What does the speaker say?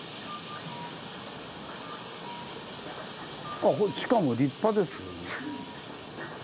あっしかも立派ですよね。